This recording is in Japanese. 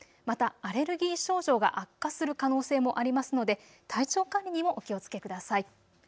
またアレルギー症状が悪化する可能性もありますので体調管理にもお気をつけください。